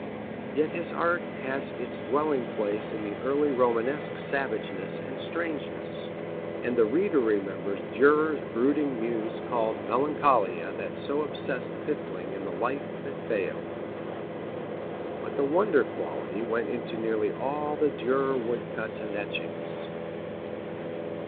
Yet his art has its dwelling place in the early Romanesque savageness and strangeness. And the reader remembers Dürer's brooding muse called Melancholia that so obsessed Kipling in The Light that Failed. But the wonder quality went into nearly all the Dürer wood cuts and etchings.